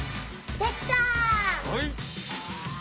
できたよ！